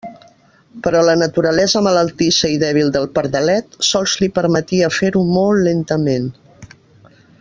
Però la naturalesa malaltissa i dèbil del pardalet sols li permetia fer-ho molt lentament.